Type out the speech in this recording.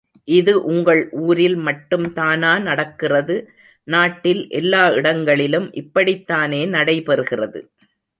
இது உங்கள் ஊரில் மட்டும்தானா நடக்கிறது நாட்டில் எல்லா இடங்களிலும் இப்படிதானே நடைபெறுகிறது.